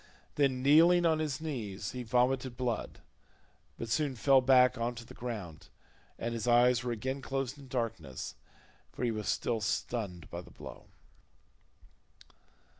Then kneeling on his knees he vomited blood, but soon fell back on to the ground, and his eyes were again closed in darkness for he was still stunned by the blow.